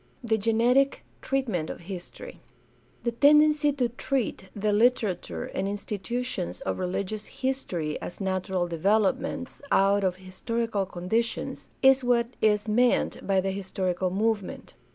The genetic treatment of history. — The tendency to treat the Kterature and institutions of religious history as natural developments out of historical conditions is what is meant by the historical movement.